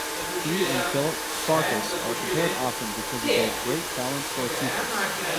He and Philip Farkas are compared often because of their great talent for teaching.